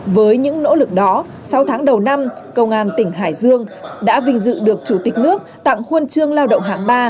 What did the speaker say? với những nỗ lực đó sau tháng đầu năm công an tỉnh hải dương đã vinh dự được chủ tịch nước tặng khuôn trương lao động hạng ba